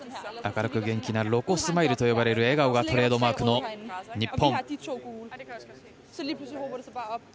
明るく元気なロコスマイルと呼ばれる笑顔がトレードマークの日本。